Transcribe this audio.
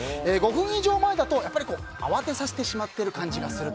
５分以上前だと慌てさせてしまっている感じがする。